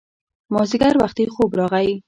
مازیګر وختي خوب راغی